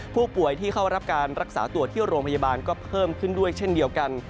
ผู้ป่วยที่เข้ารับการรักษาตัวที่โรงพยาบาลก็เพิ่มขึ้นด้วยเช่นเดียวกัน